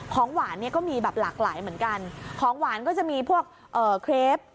ของหวานเนี่ยก็มีแบบหลากหลายเหมือนกันของหวานก็จะมีพวกเอ่อเครป